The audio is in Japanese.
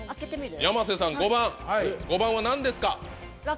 山瀬さん５番５番は何ですか？